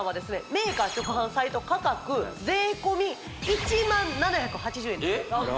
メーカー直販サイト価格税込１０７８０円ですえっ？